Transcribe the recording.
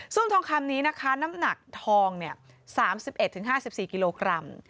ทองคำนี้นะคะน้ำหนักทอง๓๑๕๔กิโลกรัม